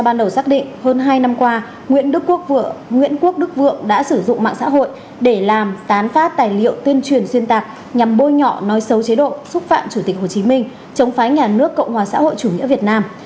nguyễn quốc đức vượng đã sử dụng mạng xã hội để làm tán phát tài liệu tuyên truyền xuyên tạc nhằm bôi nhọ nói xấu chế độ xúc phạm chủ tịch hồ chí minh chống phái nhà nước cộng hòa xã hội chủ nghĩa việt nam